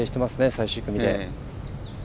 最終組で。